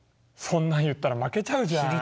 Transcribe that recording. そんなん言ったら負けちゃうじゃん。